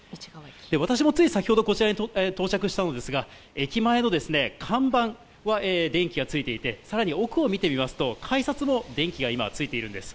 私もつい先ほどこちらに到着したんですが駅前の看板は電気がついていて更に奥を見てみますと改札も電気がついています。